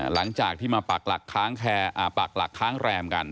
หลังจากที่มาปากหลักค้างแรมกัน